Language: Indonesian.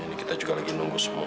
ini kita juga lagi nunggu semua